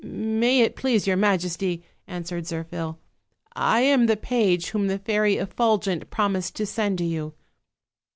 "May it please your majesty," answered Zirphil, "I am the page whom the Fairy Effulgent promised to send you."